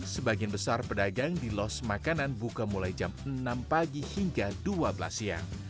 sebagian besar pedagang di los makanan buka mulai jam enam pagi hingga dua belas siang